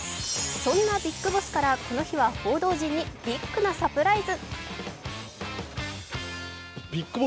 そんなビッグボスからこの日は報道陣にビッグなサプライズ。